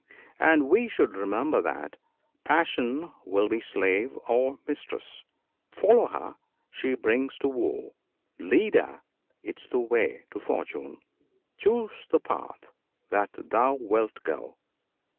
And we should remember that "Passion will be Slave or Mistress : follow her, she brings to woe ; Lead her, 'tis the way to Fortune. Choose the path that thou wilt go."